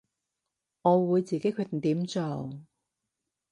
我會自己決定點做